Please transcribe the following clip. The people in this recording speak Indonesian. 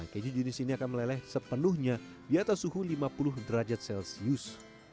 keju jenis ini akan meleleh sepenuhnya di atas suhu lima puluh derajat celcius